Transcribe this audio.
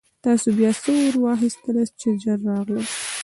تاسې بیا څه اورا واخیستلاست چې ژر راغلاست.